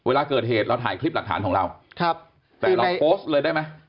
เวลาเกิดเหตุเราถ่ายคลิปหลักฐานของเราครับแต่เราโพสต์เลยได้ไหม